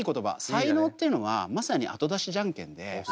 才能っていうのはまさにあと出しじゃんけんで。